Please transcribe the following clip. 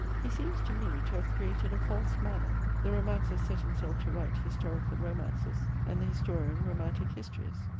He seems to me to have created a false manner: the romancer set himself to write historical romances, and the historian romantic histories.